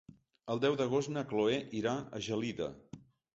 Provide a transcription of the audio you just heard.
El deu d'agost na Chloé irà a Gelida.